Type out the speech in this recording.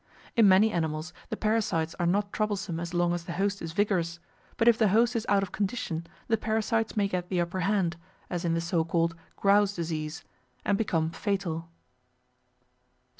In many animals the parasites are not troublesome as long as the host is vigorous, but if the host is out of condition the parasites may get the upper hand, as in the so called "grouse disease," and become fatal.